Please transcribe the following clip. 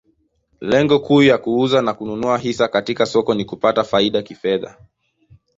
Lengo kuu ya kuuza na kununua hisa katika soko ni kupata faida kifedha.